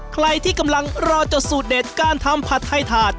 ใครที่กำลังรอจดสูตรเด็ดการทำผัดไทยถาด